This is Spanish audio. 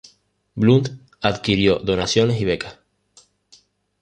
Blunt adquirió donaciones y becas.